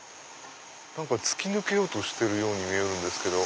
何か突き抜けようとしてるように見えるんですけど。